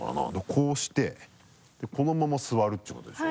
こうしてこのまま座るっていうことでしょ？